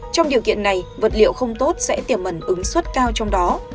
trong điều kiện này vật liệu không tốt sẽ tiềm mẩn ứng xuất cao trong đó